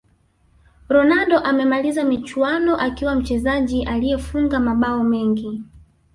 ronaldo amemaliza michuano akiwa mchezaji aliyefunga mabao mengi